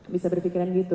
bisa berpikiran gitu